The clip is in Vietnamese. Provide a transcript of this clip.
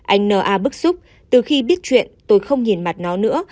anh n a bức xúc từ khi biết chuyện tôi không nhìn mặt nó nữa